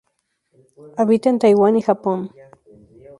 Habita en Taiwan y Japón.